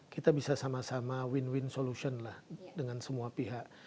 kita bisa sama sama win win solution lah dengan semua pihak